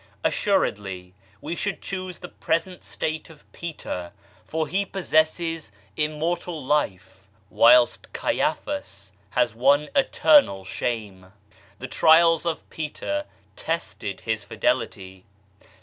Assuredly we should choose the present state of Peter, for he possesses immortal life whilst Caiaphas has won eternal shame. The trials of Peter tested his fidelity.